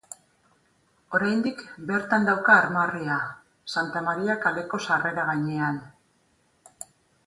Oraindik bertan dauka armarria, Santa Maria Kaleko sarrera gainean.